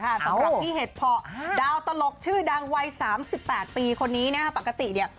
สำหรับพี่เหตุดาวตลกชื่อดังวัย๓๘ปีคนนี้ปกติค่ะ